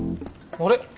あれ？